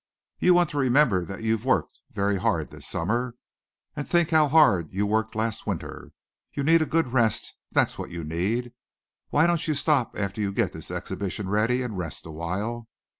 You want to remember that you've worked very hard this summer. And think how hard you worked last winter! You need a good rest, that's what you need. Why don't you stop after you get this exhibition ready and rest awhile?